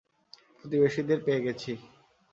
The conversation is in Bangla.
প্রতিবেশীদের পেয়ে গেছি।